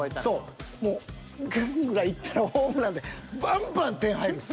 もうガン！ぐらいいったらホームランでバンバン点入るんです。